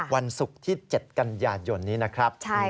วันศุกร์ที่๗กันยายนนี้นะครับ